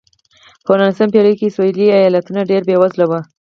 په نولسمې پېړۍ کې سوېلي ایالتونه ډېر بېوزله وو.